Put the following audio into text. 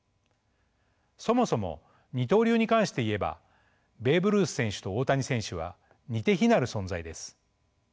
そもそも二刀流に関して言えばベーブ・ルース選手と大谷選手は似て非なる存在です。